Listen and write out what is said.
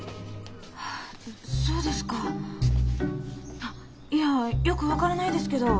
そうですかいやよく分からないですけど。